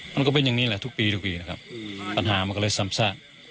มันก็เป็นอย่างนี้แหละทุกปีที่ปัญหาก็เลยซ้ำซะ